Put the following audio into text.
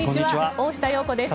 大下容子です。